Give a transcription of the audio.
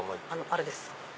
あれです。